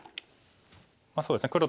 まあそうですね。